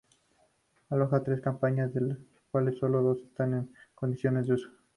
Aloja tres campanas, de las cuales solo dos están en condiciones de uso.